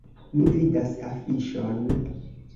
Mi vidas afiŝon.